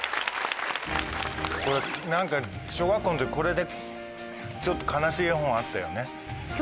何か小学校の時これでちょっと悲しい絵本あったよね。